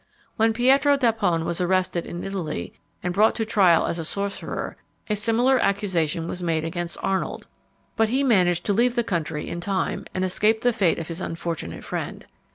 When Pietro d'Apone was arrested in Italy, and brought to trial as a sorcerer, a similar accusation was made against Arnold; but he managed to leave the country in time, and escape the fate of his unfortunate friend.